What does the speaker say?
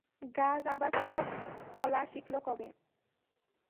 গাছ আবার কথা কলা শিখল কবে?